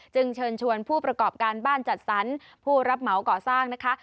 เชิญชวนผู้ประกอบการบ้านจัดสรรผู้รับเหมาก่อสร้างนะคะ